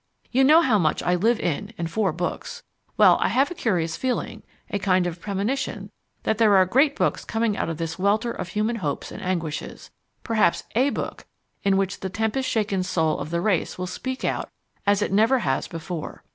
You know how much I live in and for books. Well, I have a curious feeling, a kind of premonition that there are great books coming out of this welter of human hopes and anguishes, perhaps A book in which the tempest shaken soul of the race will speak out as it never has before.